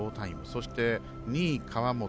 そして、２位、川本。